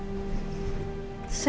kamu tenang aja al